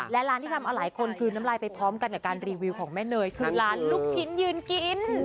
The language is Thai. และร้านที่ทำเอาหลายคนคืนน้ำลายไปพร้อมกันกับการรีวิวของแม่เนยคือร้านลูกชิ้นยืนกิน